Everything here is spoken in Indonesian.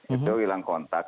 itu hilang kontak